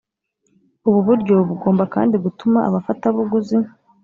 Ubu buryo bugomba kandi gutuma abafatabuguzi